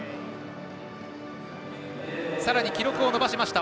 さらに記録を伸ばしました。